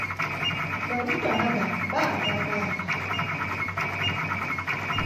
Barutwana ba ba a ba bala.